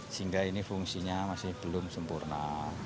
sehingga ini fungsinya masih belum sempurna